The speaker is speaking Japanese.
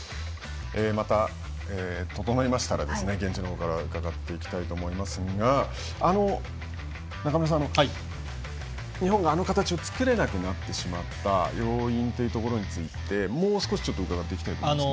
また、整いましたら現地の方から伺っていきたいと思いますが中村さん、日本があの形を作れなくなった要因についてもう少し伺っていきたいんですが。